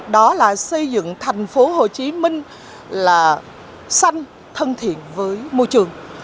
đó là xây dựng tp hcm là xanh thân thiện với môi trường